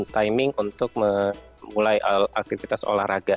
timing untuk memulai aktivitas olahraga